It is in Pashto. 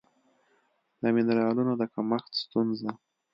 د مېنرالونو د کمښت ستونزه